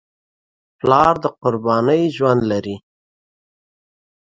پلار د قربانۍ ژوند لري.